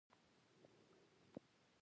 د اوبو موثر استعمال د کښت لپاره حیاتي دی.